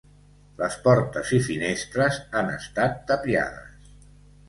Les portes i finestres han estat tapiades.